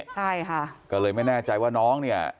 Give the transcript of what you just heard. ใช่ค่ะก็เลยไม่แน่ใจว่าน้องเนี่ย